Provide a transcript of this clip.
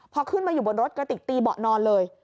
พอขึ้นมาอยู่บนรถกระติกตีเบาะนอนเลย